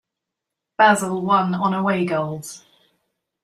Basel won on away goals.